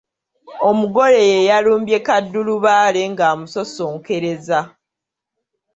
Omugole y’eyalumbye kaddulubaale ng’amusosonkereza.